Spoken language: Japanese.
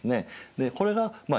でこれがまあ